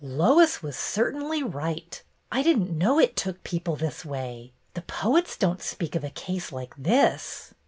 " Lois was certainly right ! I did n't know it took people this way. The poets don't speak of a case like this